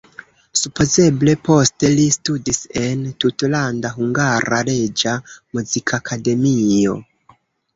Supozeble poste li studis en Tutlanda Hungara Reĝa Muzikakademio.